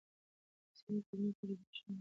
ځینې کلمې په عربي نښو نه لیکل کیږي.